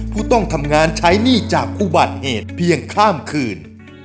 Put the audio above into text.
ผู้ต้องทำงานใช้หนี้จากอุบัติเหตุเพียงข้ามคืน